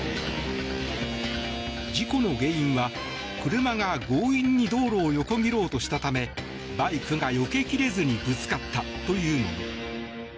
事故の原因は車が強引に道路を横切ろうとしたためバイクがよけ切れずにぶつかったというもの。